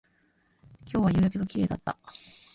今日は夕焼けが綺麗だった